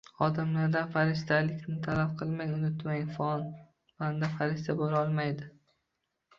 Odamlardan "farishta"likni talab qilmang, unutmang banda farishta bo‘la olmaydi